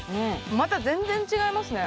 また全然違いますね。